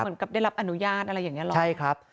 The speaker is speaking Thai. เหมือนกับได้รับอนุญาตอะไรอย่างเงี้หรอใช่ครับ